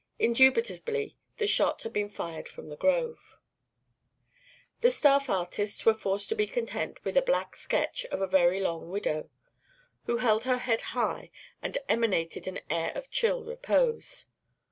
Indubitably the shot had been fired from the grove. The staff artists were forced to be content with a black sketch of a very long widow, who held her head high and emanated an air of chill repose.